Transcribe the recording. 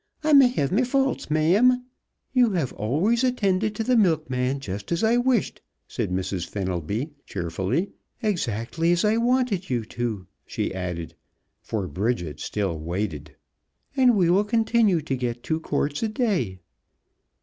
I may have me faults, ma'am " "You have always attended to the milkman just as I wished," said Mrs. Fenelby, cheerfully. "Exactly as I wanted you to," she added, for Bridget still waited. "And we will continue to get two quarts a day."